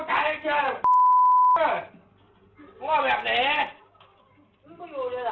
คุณสวัสดิ์